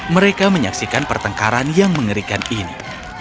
mereka menyaksikan pertengkaran yang mengerikan ini